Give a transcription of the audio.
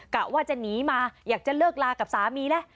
กะว่าจะหนีมาอยากจะเลิกลากับสามีแล้ว